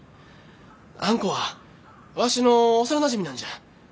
あんこはわしの幼なじみなんじゃ。